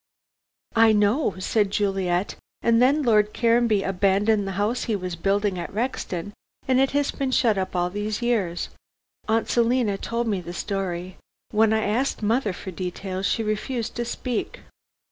"I know," said Juliet; "and then Lord Caranby abandoned the house he was building at Rexton, and it has been shut up all these years. Aunt Selina told me the story. When I asked mother for details, she refused to speak."